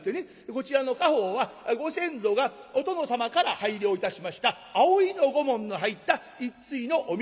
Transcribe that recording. こちらの家宝はご先祖がお殿様から拝領いたしました葵の御紋の入った一対の御神酒徳利でございます。